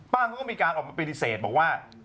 เขาก็มีการออกมาปฏิเสธบอกว่า